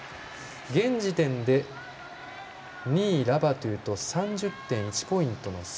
現時点で、２位ラバトゥと３０．１ポイントの差。